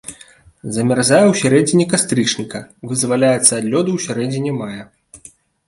Замярзае ў сярэдзіне кастрычніка, вызваляецца ад лёду ў сярэдзіне мая.